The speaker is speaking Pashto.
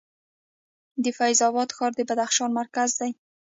د فیض اباد ښار د بدخشان مرکز دی